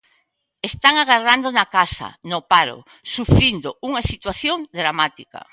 Están agardando na casa, no paro, sufrindo unha situación dramática.